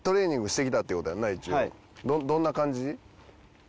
どんな感じ？